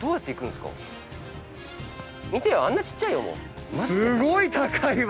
◆すごい高いわ。